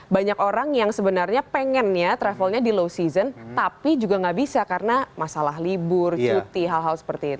banyak orang yang sebenarnya pengen ya travelnya di low season tapi juga nggak bisa karena masalah libur cuti hal hal seperti itu